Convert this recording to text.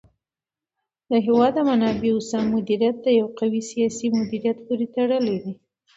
د هېواد د منابعو سم مدیریت د یو قوي سیاسي مدیریت پورې تړلی دی.